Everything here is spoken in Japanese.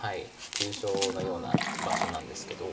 急所のような場所なんですけど。